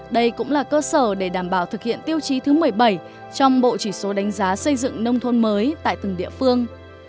đây cũng là cơ sở để đảm bảo thực hiện tiêu chí thứ một mươi bảy trong bộ chỉ số đánh giá xây dựng nông thôn mới tại từng địa phương